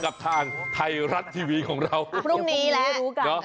กับทางไทยรัฐทีวีของเราพรุ่งนี้แล้วรู้กันเนอะ